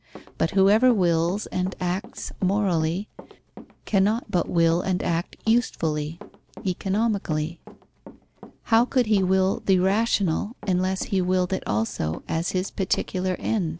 But whoever wills and acts morally, cannot but will and act usefully (economically). How could he will the rational, unless he willed it also as his particular end?